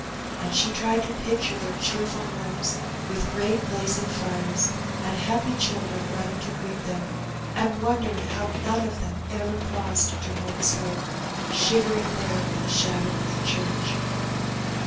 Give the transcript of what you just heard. And she tried to picture their cheerful homes, with great blazing fires, and happy children running to greet them, and wondered how none of them ever paused to notice her, shivering there in the shadow of the church.